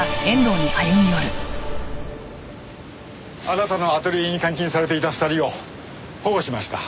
あなたのアトリエに監禁されていた２人を保護しました。